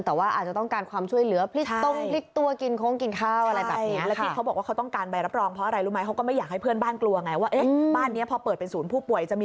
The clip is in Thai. แต่ว่าอาจจะต้องการความช่วยเหลือพลิกตรงพลิกตัวกินโค้งกินข้าวอะไรแบบนี้